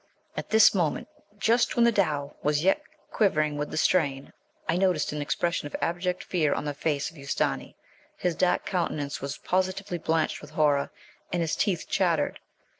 At this moment, just when the dhow was yet quivering with the strain, I noticed an expression of abject fear on the face of Ustâni. His dark countenance was positively blanched with horror, and his teeth chattered.